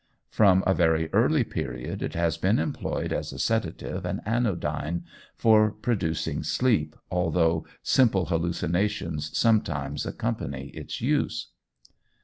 From a very early period it has been employed as a sedative and anodyne, for producing sleep, although simple hallucinations sometimes accompany its use.